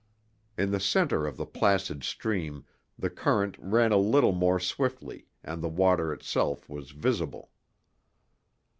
In the center of the placid stream the current ran a little more swiftly, and the water itself was visible.